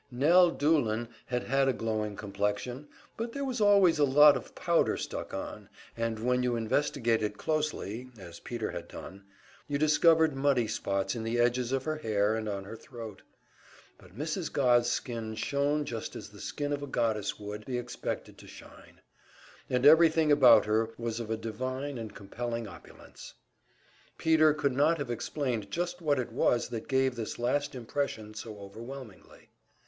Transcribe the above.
Nell Doolin had had a glowing complexion, but there was always a lot of powder stuck on, and when you investigated closely, as Peter had done, you discovered muddy spots in the edges of her hair and on her throat. But Mrs. Godd's skin shone just as the skin of a goddess would be expected to shine, and everything about her was of a divine and compelling opulence. Peter could not have explained just what it was that gave this last impression so overwhelmingly.